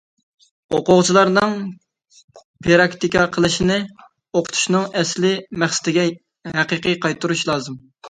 ئوقۇغۇچىلارنىڭ پىراكتىكا قىلىشىنى ئوقۇتۇشنىڭ ئەسلىي مەقسىتىگە ھەقىقىي قايتۇرۇش لازىم.